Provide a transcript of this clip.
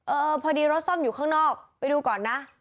พอดีรถซ่อมอยู่ข้างนอกไปดูก่อนนะ